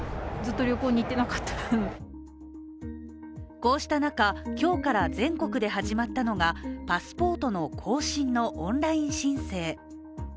こうした中、今日から全国で始まったのがパスポートの更新のオンライン申請。